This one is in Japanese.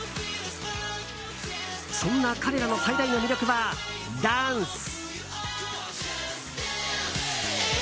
そんな彼らの最大の魅力はダンス。